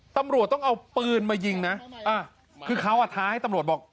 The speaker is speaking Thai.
ตำรวจต้องเอาปืนมายิงนะคือเขาอ่ะท้าให้ตำรวจบอก